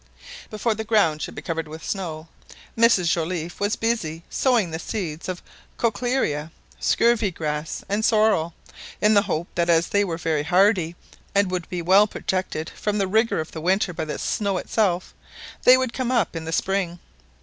Before the ground should be covered with snow, Mrs Joliffe was busy sowing the seeds of Cochlearia (scurvy grass) and sorrel, in the hope that as they were very hardy, and would be well protected from the rigour of the winter by the snow itself, they would come up in the spring.